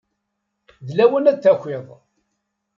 D lawan ad d-takiḍ.